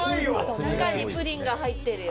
中にプリンが入ってるよ。